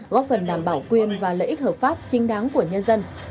góp phần đảm bảo quyền và lợi ích hợp pháp chính đáng của nhân dân